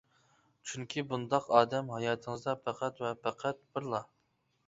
چۈنكى بۇنداق ئادەم ھاياتىڭىزدا پەقەت ۋە پەقەت بىرلا.